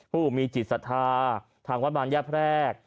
ผู้มีจิตศรัทธาทางวัดบานย่าแพรก